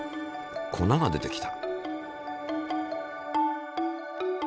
粉が出てきた。